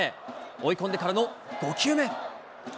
追い込んでからの５球目。